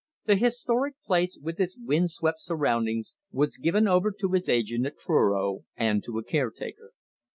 The historic place, with its wind swept surroundings, was given over to his agent at Truro and to a caretaker.